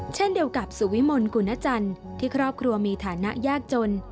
เช่นเดียวกับสุวิมลกุณจันทร์ที่ครอบครัวมีฐานะยากจน